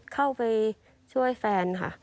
เข้าไปช่วยแฟนค่ะ